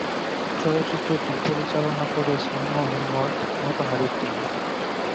চলচ্চিত্রটি পরিচালনা করেছেন মোহাম্মদ মোতাহার উদ্দিন।